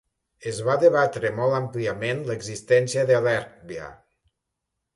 Es va debatre molt àmpliament l'existència de l'èrbia.